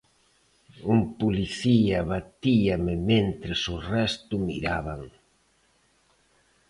Un policía batíame mentres o resto miraban.